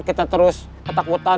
kita terus ketakutan